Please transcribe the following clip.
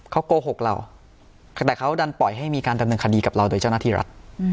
เขาโกหกเราแต่เขาดันปล่อยให้มีการดำเนินคดีกับเราโดยเจ้าหน้าที่รัฐ